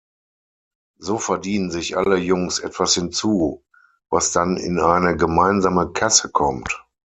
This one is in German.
So verdienen sich alle Jungs etwas hinzu, was dann in eine gemeinsame Kasse kommt.